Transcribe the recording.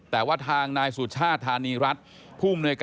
แทนว่าทางนายสุทธชาติธนิรัตน์